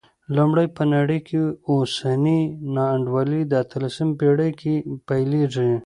لومړی، په نړۍ کې اوسنۍ نا انډولي د اتلسمې پېړۍ کې پیلېږي.